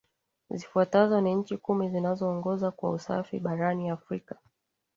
Zifuatazo ni nchi Kumi zinazoongoza kwa usafi barani Afrika